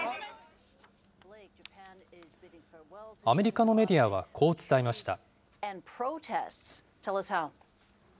アメリカのメディアはこう伝えました。